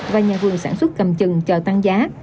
và nhà vườn sản xuất cầm chừng chờ tăng giá